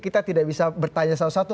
kita tidak bisa bertanya salah satu